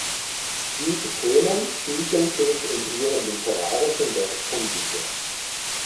Diese Themen spiegeln sich in ihren literarischen Werken wider.